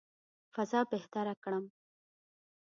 فضا بهتره کړم.